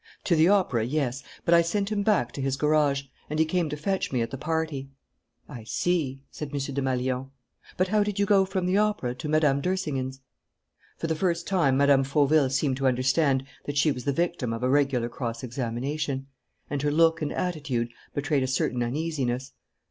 "To the opera, yes. But I sent him back to his garage; and he came to fetch me at the party." "I see," said M. Desmalions. "But how did you go from the opera to Mme. d'Ersingen's?" For the first time, Mme. Fauville seemed to understand that she was the victim of a regular cross examination; and her look and attitude betrayed a certain uneasiness.